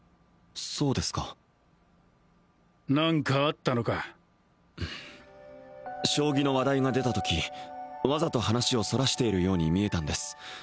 そうですか何かあったのか将棋の話題が出たときわざと話をそらしているように見えたんです